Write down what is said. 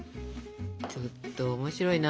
ちょっと面白いな。